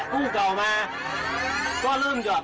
ตั้งแต่ตอนแรกยอด๓๐๐